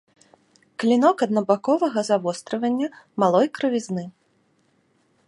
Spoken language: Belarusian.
Клінок аднабаковага завострывання, малой крывізны.